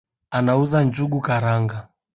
Anauza njugu karanga